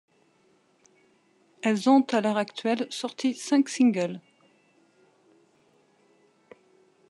Elles ont à l'heure actuelle sorti cinq singles.